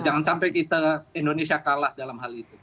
jangan sampai kita indonesia kalah dalam hal itu